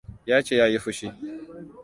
Ya ce ya yi fushi.